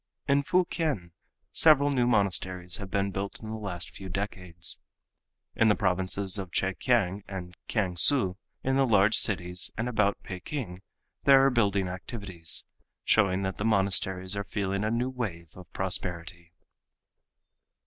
In Fukien several new monasteries have been built in the last few decades. In the provinces of Chekiang and Kiangsu, in the large cities and about Peking there are building activities, showing that the monasteries are feeling a new wave of prosperity.